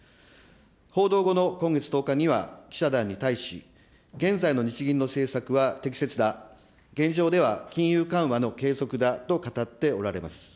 報道後の今月１０日には、記者団に対し、現在の日銀の政策は適切だ、現状では金融緩和のけいそくだと語っておられます。